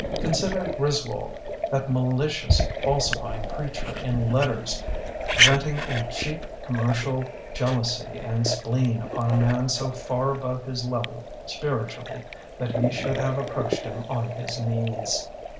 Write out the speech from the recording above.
Consider Griswold, that malicious, falsifying preacher in let ters, venting a cheap commercial jeal ousy and spleen upon a man so far above his level spiritually that he should have approached him on his knees.